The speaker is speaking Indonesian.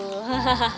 nih gue kasih